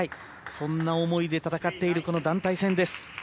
そんな思いで戦っている団体戦です。